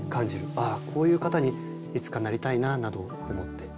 こういう方にいつかなりたいななど思って。